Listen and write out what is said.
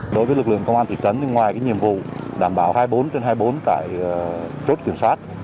đối với lực lượng công an thị trấn thì ngoài nhiệm vụ đảm bảo hai mươi bốn trên hai mươi bốn tại chốt kiểm soát